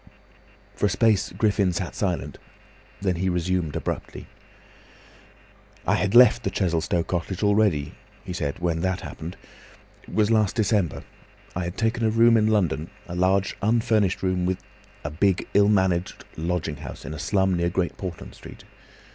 For a space Griffin sat silent, and then he resumed abruptly: "I had left the Chesilstowe cottage already," he said, "when that happened. It was last December. I had taken a room in London, a large unfurnished room in a big ill managed lodging house in a slum near Great Portland Street.